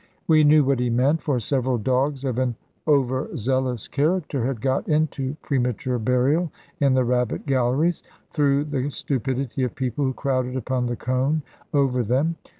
We knew what he meant; for several dogs of an over zealous character had got into premature burial in the rabbit galleries, through the stupidity of people who crowded upon the cone over them.